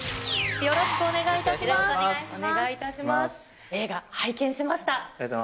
よろしくお願いします。